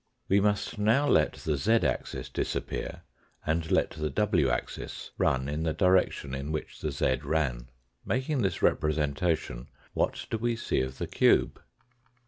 We must now let the z axis disappear and let the iv axis run in the direction in which the z ran. Making this representation, what do we see of the cube